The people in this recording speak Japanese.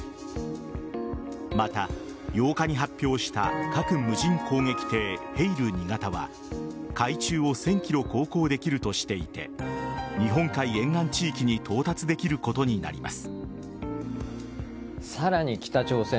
また８日に発表した核無人攻撃艇「ヘイル２型」は海中を１０００ｋｍ航行できるとしていて日本海沿岸地域に到達できることになります。